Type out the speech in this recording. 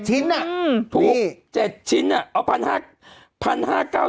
ชิ้นอ่ะถูก๗ชิ้นเอา๑๕๙บาท